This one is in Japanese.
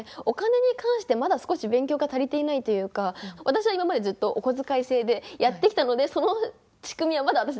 お金に関してまだ少し勉強が足りていないというか私は今までずっとお小遣い制でやってきたのでその仕組みはまだ。